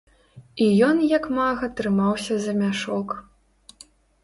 І ён як мага трымаўся за мяшок.